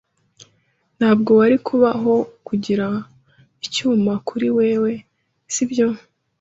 Ntabwo wari kubaho kugira icyuma kuri wewe, sibyo?